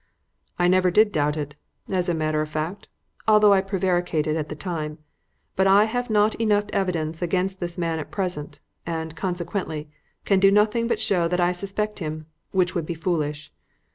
"I never did doubt it, as a matter of fact, although I prevaricated at the time. But I have not enough evidence against this man at present, and, consequently, can do nothing but show that I suspect him, which would be foolish.